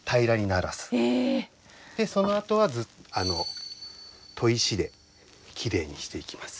そのあとは砥石できれいにしていきます。